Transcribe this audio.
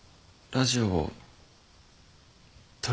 ラジオ？